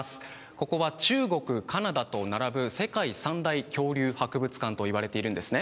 ここは中国、カナダと並ぶ世界三大恐竜博物館といわれているんですね。